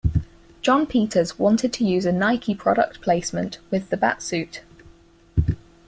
Jon Peters wanted to use a Nike product placement with the Batsuit.